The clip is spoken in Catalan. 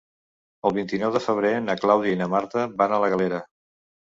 El vint-i-nou de febrer na Clàudia i na Marta van a la Galera.